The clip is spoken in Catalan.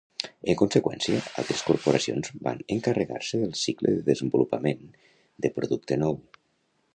En conseqüència, altres corporacions van encarregar-se del cicle de desenvolupament de producte nou.